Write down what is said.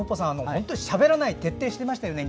本当にしゃべらないを徹底していましたよね